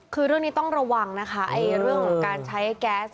คือเรื่องนี้ต้องระวังนะคะเรื่องของการใช้แก๊ส